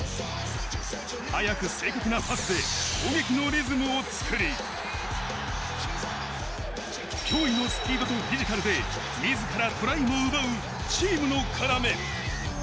速く正確なパスで攻撃のリズムを作り、驚異のスピードとフィジカルで自らトライを奪うチームの要。